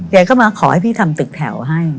แกก็มาขอให้พี่ทำตึกแถวให้